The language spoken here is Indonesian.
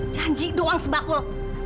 janji doang sebakul